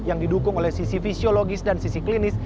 yang didukung oleh sisi fisiologis dan sisi klinis